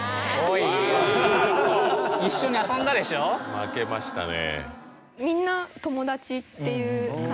負けましたね。